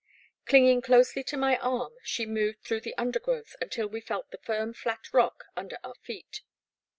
*' Clinging closely to my arm, she moved through the undergrowth until we felt the firm flat rock under our feet.